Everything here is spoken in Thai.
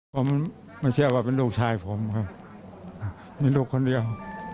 ผมไม่ใช่ว่าเป็นลูกชายผมครับเป็นลูกคนเดียว